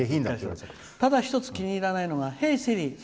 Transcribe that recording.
「ただ一つ、気に入らないのがヘイシリ！